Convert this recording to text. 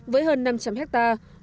với hơn năm trăm linh hectare